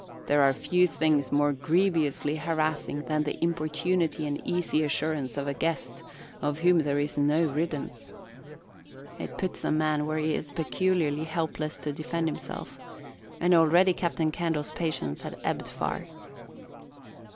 There are few things more grievously harassing than the importunity and easy assurance of a guest of whom there is no riddance. It puts a man where he is peculiarly helpless to defend himself, and already Captain Candle's patience had ebbed far.